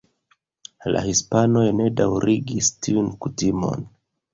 La hispanoj ne daŭrigis tiun kutimon.